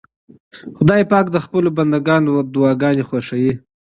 خدای پاک د خپلو بندګانو دعاګانې خوښوي.